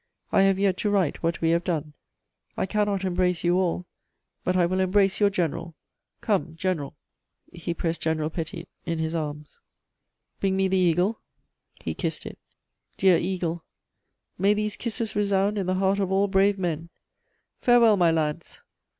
I have yet to write what we have done. "I cannot embrace you all; but I will embrace your general.... Come, general!" He pressed General Petit in his arms. "Bring me the eagle!" He kissed it. "Dear eagle! May these kisses resound in the heart of all brave men!... Farewell, my lads!...